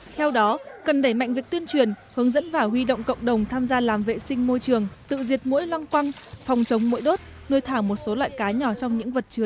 theo đó cần đẩy mạnh việc tuyên truyền hướng dẫn và huy động cộng đồng tham gia làm vệ sinh môi trường tự diệt mũi lăng quăng phòng chống mũi đốt nuôi thả một số loại cá nhỏ trong những vật chứa